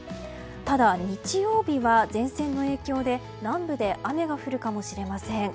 ただ、日曜日は前線の影響で南部で雨が降るかもしれません。